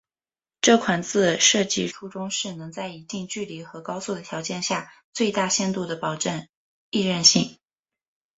这款字设计初衷是能在一定距离和高速的条件下最大限度地保证易认性。